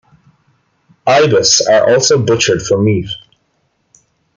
Ibis are also butchered for meat.